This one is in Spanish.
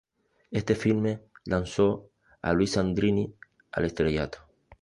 Este filme lanzó a Luis Sandrini al estrellato.